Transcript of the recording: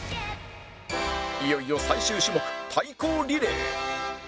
いよいよ最終種目対抗リレー